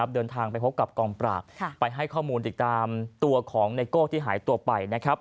เดินทางไปพบกับกองปราบไปให้ข้อมูลติดตามตัวของไนโก้ที่หายตัวไป